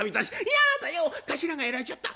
「嫌だよ頭がやられちゃった。